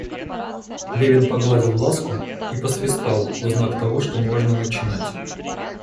Левин погладил Ласку и посвистал в знак того, что можно начинать.